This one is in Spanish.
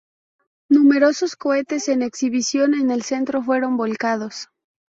Numerosos cohetes en exhibición en el centro fueron volcados.